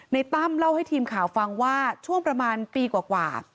ตั้มเล่าให้ทีมข่าวฟังว่าช่วงประมาณปีกว่า